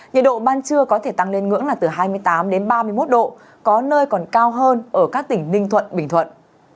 nhiệt độ ban trưa có thể tăng lên ngưỡng là từ hai mươi tám đến ba mươi một độ có nơi còn cao hơn ở các tỉnh ninh thuận bình thuận